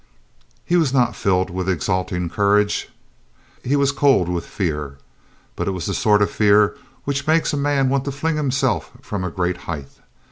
He was not filled with exulting courage. He was cold with fear. But it was the sort of fear which makes a man want to fling himself from a great height.